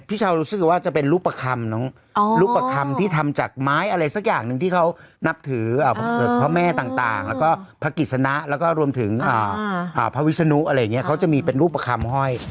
พี่เช้ารู้สึกว่าจะเป็นรูปประคำที่ทำจากไม้อะไรสักอย่างหนึ่งที่เขานับถือพระแม่ต่างแล้วก็พระกิจสนะแล้วก็รวมถึงพระวิศนุอะไรอย่างนี้เขาจะมีเป็นรูปประคำห้อย